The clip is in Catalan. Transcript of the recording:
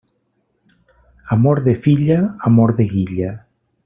Amor de filla, amor de guilla.